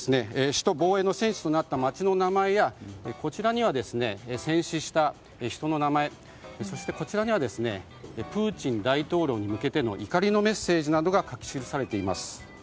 首都防衛の戦地となった街の名前や、こちらには戦死した人の名前そしてプーチン大統領に向けての怒りのメッセージなどが書き記されています。